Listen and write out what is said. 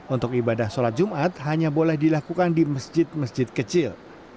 untuk ibadah sholat jumat hanya boleh dilakukan di masjid masjid kecil